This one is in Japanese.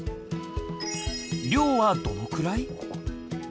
量はどのくらい？